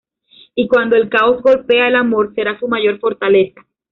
Y cuando el caos golpea, el amor será su mayor fortaleza.